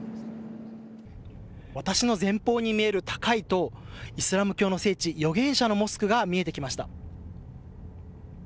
私の前方に見える高い塔、イスラム教の聖地、預言者のモスクが見えてきました。